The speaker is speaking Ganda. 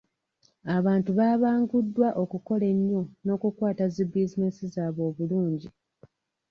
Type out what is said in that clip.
Abantu baabanguddwa okukola ennyo n'okukwata zi bizinesi zaabwe obulungi.